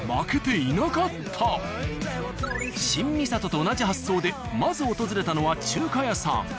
新三郷と同じ発想でまず訪れたのは中華屋さん。